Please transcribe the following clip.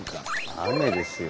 雨ですよ。